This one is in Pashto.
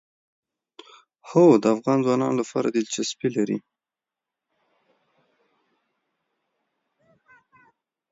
هوا د افغان ځوانانو لپاره دلچسپي لري.